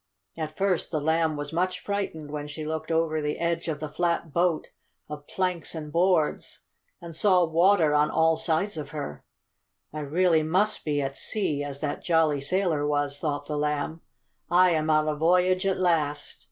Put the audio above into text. At first the Lamb was much frightened when she looked over the edge of the flat boat of planks and boards, and saw water on all sides of her. "I really must be at sea, as that jolly sailor was," thought the Lamb. "I am on a voyage at last!